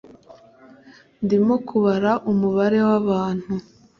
ndimo kubara umubare wabantu